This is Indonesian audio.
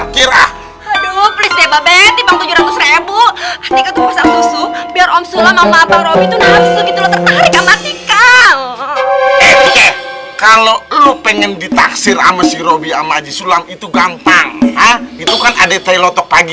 kalau lu pengen ditaksir sama si robby amat disulam itu gampang itu kan ada telotok pagi